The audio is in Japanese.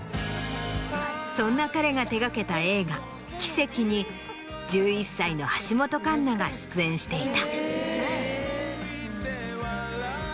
そんな彼が手がけた映画『奇跡』に１１歳の橋本環奈が出演していた。